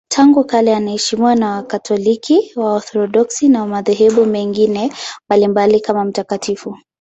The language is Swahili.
Tangu kale anaheshimiwa na Wakatoliki, Waorthodoksi na madhehebu mengine mbalimbali kama mtakatifu.